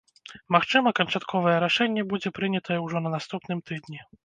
Магчыма, канчатковае рашэнне будзе прынятае ўжо на наступным тыдні.